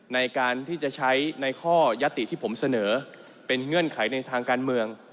ในการที่จะใช้ในข้อยติที่ผมเสนอเป็นเงื่อนไขในทางการเมือง